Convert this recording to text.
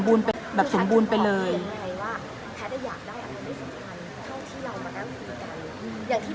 อยากจะหันลูกไปเจอขวา